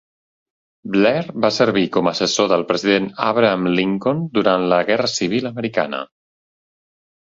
Blair va servir com a assessor del president Abraham Lincoln durant la Guerra Civil americana.